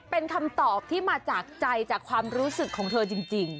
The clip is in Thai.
เป็นคำตอบที่มาจากใจจากความรู้สึกของเธอจริง